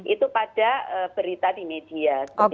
itu pada berita di media